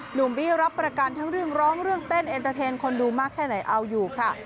บี้รับประกันทั้งเรื่องร้องเรื่องเต้นเอ็นเตอร์เทนคนดูมากแค่ไหนเอาอยู่ค่ะ